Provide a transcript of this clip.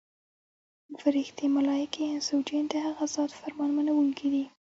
فرښتې، ملایکې، انس او جن د هغه ذات فرمان منونکي دي.